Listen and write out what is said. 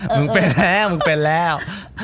มึงเป็นแล้วมึงเป็นแล้ว